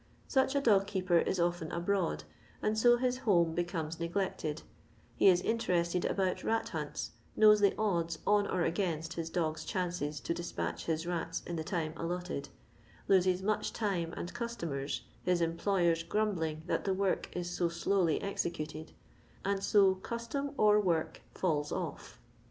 Such a dug kceper is often abroad and so his home becomes neglected ; he is interested about ra^hunts, knows the odds on or against the dog's chance to dispatch his rats in the time allotted, loses much time and cus tomers, his employers grumbling that the work ii so slowly executed, and so custom or work fiUIs off.